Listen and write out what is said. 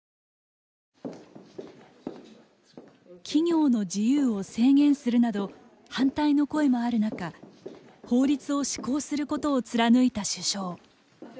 企業の自由を制限するなど反対の声もある中法律を施行することを貫いた首相。